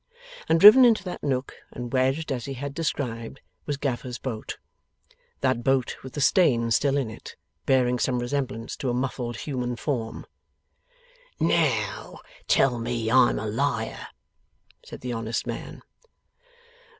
And driven into that nook, and wedged as he had described, was Gaffer's boat; that boat with the stain still in it, bearing some resemblance to a muffled human form. 'Now tell me I'm a liar!' said the honest man.